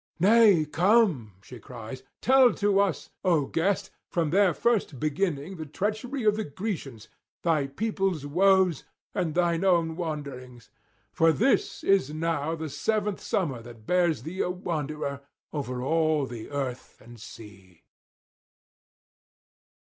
'Nay, come,' she cries, 'tell to us, O guest, from their first beginning the treachery of the Grecians, thy people's woes, and thine own wanderings; for this is now the seventh summer that bears thee a wanderer over all the earth and sea.'